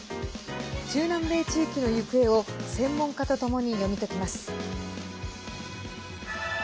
中南米地域の行方を専門家とともに読み解きます。